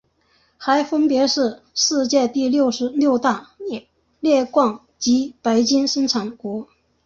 还分别是世界第六大镍矿及白金生产国。